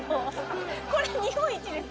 これ日本一です